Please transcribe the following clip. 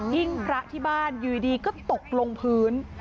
พระที่บ้านอยู่ดีก็ตกลงพื้น